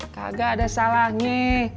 kagak ada salahnya